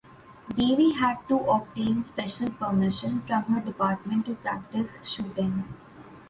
Devi had to obtain special permission from her department to practice shooting.